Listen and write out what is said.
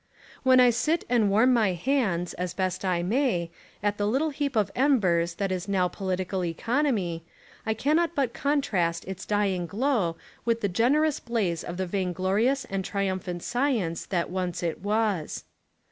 When I sit and warm my hands, as best I may, at the little heap of embers that is now Political Economy, I cannot but contrast its dying glow with the generous blaze of the vain glorious and triumphant science that once it was.